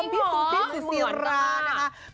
พี่ซูซี่สุศีรานะคะ